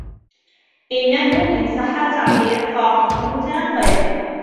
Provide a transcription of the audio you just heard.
إنه ، إن صح التعبير ، قاموس متنقل.